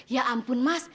ya ampun mas